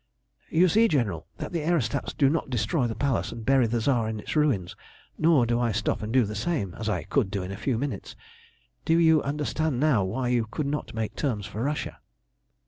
"You see, General, that the aerostats do not destroy the Palace and bury the Tsar in its ruins, nor do I stop and do the same, as I could do in a few minutes. Do you understand now why you could not make terms for Russia?"